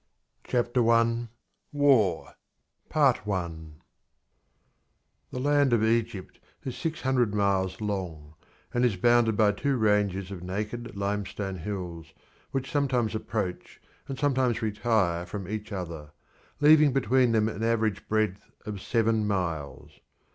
CHAPTER I: WAR Egypt The land of Egypt is six hundred miles long, and is bounded by two ranges of naked limestone hills which sometimes approach and sometimes retire from each other, leaving between them an average breadth of seven miles.